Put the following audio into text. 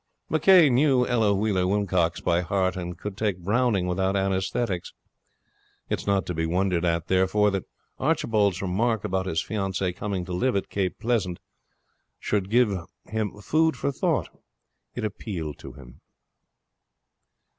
McCay knew Ella Wheeler Wilcox by heart, and could take Browning without anaesthetics. It is not to be wondered at, therefore, that Archibald's remark about his fiancee coming to live at Cape Pleasant should give him food for thought. It appealed to him.